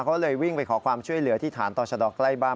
เขาเลยวิ่งไปขอความช่วยเหลือที่ฐานต่อชะดอกใกล้บ้าน